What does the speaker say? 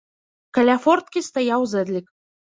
Каля форткі стаяў зэдлік.